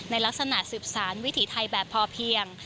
ในลักษณะสืบสารวิถีไทยแบบพอเพียง